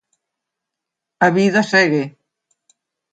A vida segue.